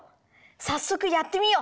さっそくやってみよう！